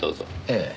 ええ。